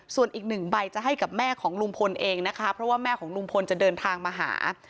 ส่วนอีกหนึ่งใบจะให้กับแม่ของลุงพลเองนะคะเพราะว่าแม่ของลุงพลจะเดินทางมาหา